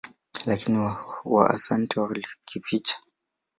Lakini Waasante walikificha.